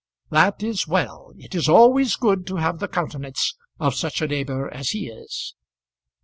"That is well. It is always good to have the countenance of such a neighbour as he is."